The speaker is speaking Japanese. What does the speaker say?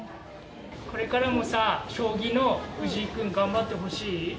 これからも将棋の藤井君頑張ってほしい。